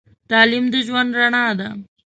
تعليم د ژوند رڼا ده.